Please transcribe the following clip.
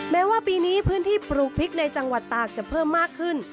แม้ว่าปีนี้พื้นที่ปลูกพริกในจังหวัดตากจะเพิ่มมากขึ้น